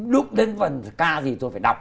đúc đến phần ca gì tôi phải đọc